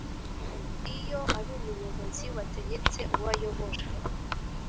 Iyo ari umuyobozi wategetse uwo ayobora